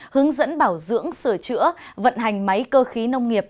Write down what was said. hướng dẫn bảo dưỡng sửa chữa vận hành máy cơ khí nông nghiệp